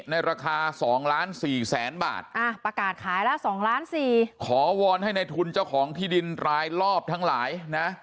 ในราคาสองล้านสี่แสนบาทประกาศขายละสองล้านสี่ขอวอนให้ในทุนเจ้าของที่ดินรายรอบทั้งหลายนะ